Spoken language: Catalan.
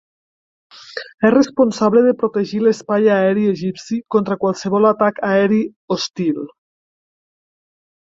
És responsable de protegir l'espai aeri egipci contra qualsevol atac aeri hostil.